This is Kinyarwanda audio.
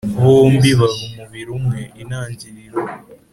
Bombi baba umubiri umwe Intangiriro